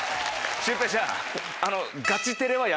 シュウペイちゃん。